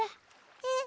えっ？